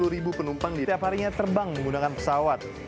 satu ratus lima puluh ribu penumpang di setiap harinya terbang menggunakan pesawat